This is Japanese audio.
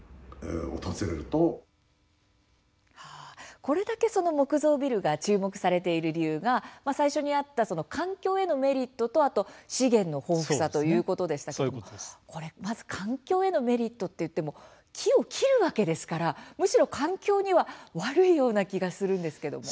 これだけ木造ビルが注目されている理由が最初にあった環境へのメリットと資源の豊富さということでしたけれどもこれ、まず環境へのメリットといっても木を切るわけですからむしろ環境には悪いような気がするんですけども。